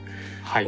はい！